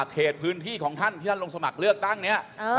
เขตพื้นที่ของท่านที่ท่านลงสมัครเลือกตั้งเนี่ย